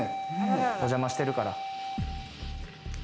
お邪魔してるから。